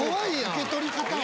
受け取り方や。